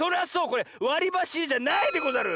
これわりばしいれじゃないでござる！